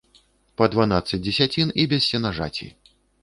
Па дванаццаць дзесяцін і без сенажаці.